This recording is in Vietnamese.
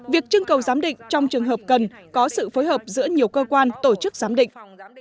việc trưng cầu giám định trong trường hợp cần có sự phối hợp giữa nhiều cơ quan tổ chức giám định